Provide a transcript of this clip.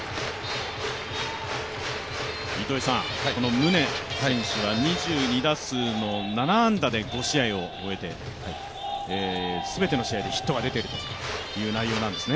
宗選手は２２打数の７安打で５試合を終えて全ての試合でヒットが出ているという内容なんですね。